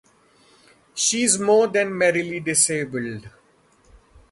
She is more than merely disabled.